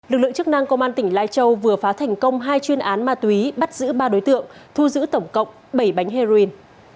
lực lượng chức năng công an tỉnh lai châu vừa phá thành công hai chuyên án ma túy bắt giữ ba đối tượng thu giữ tổng cộng bảy bánh heroin